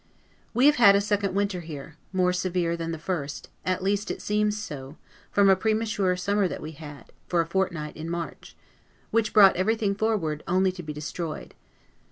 We have had a second winter here, more severe than the first, at least it seemed so, from a premature summer that we had, for a fortnight, in March; which brought everything forward, only to be destroyed.